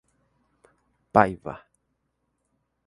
Paiva